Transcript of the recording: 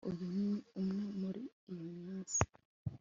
uyu ni umwe muri iyo minsi